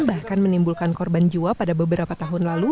bahkan menimbulkan korban jiwa pada beberapa tahun lalu